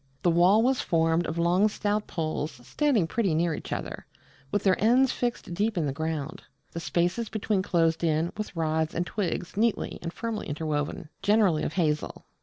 The wall was formed of long stout poles standing pretty near each other, with their ends fixed deep in the ground, the spaces between closed in with rods and twigs neatly and firmly interwoven; generally of hazel.